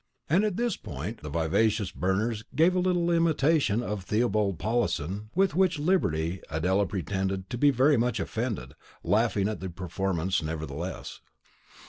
And at this point the vivacious Berners gave a little imitation of Theobald Pallinson, with which liberty Adela pretended to be very much offended, laughing at the performance nevertheless.